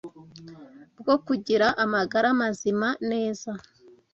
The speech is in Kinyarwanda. bwo kugira amagara mazima neza.